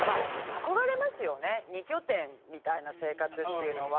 憧れますよね、２拠点みたいな生活っていうのは。